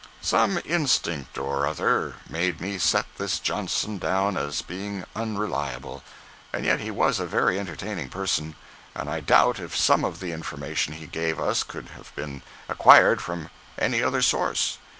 Some instinct or other made me set this Johnson down as being unreliable. And yet he was a very entertaining person, and I doubt if some of the information he gave us could have been acquired from any other source.